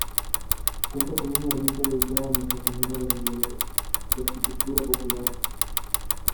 Cuenta con una ermita dedicada a Nuestra Señora de los Dolores, de arquitectura popular.